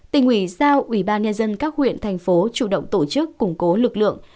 tỉnh hủy giao ủy ban nhà dân các huyện thành phố chủ động tổ chức củng cố lực lượng